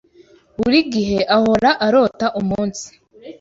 Buri gihe ahora arota umunsi.